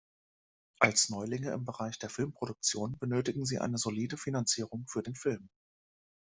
Als Neulinge im Bereich der Filmproduktion benötigten sie eine solide Finanzierung für den Film.